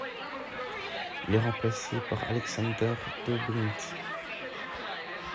Il est remplacé par Alexander Dobrindt.